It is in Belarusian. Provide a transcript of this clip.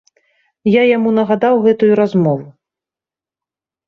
Я яму нагадаў гэтую размову.